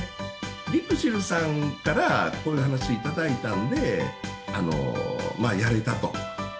リクシルさんからこういう話頂いたんで、やれたと。